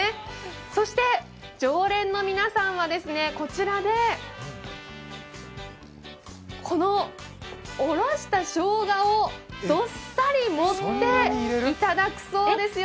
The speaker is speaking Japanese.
そして、常連の皆さんはこのおろしたショウガをどっさり盛っていただくそうですよ。